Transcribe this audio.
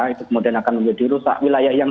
itu kemudian akan menjadi rusak wilayah yang